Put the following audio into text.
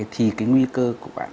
thì cái nguy cơ của bạn cao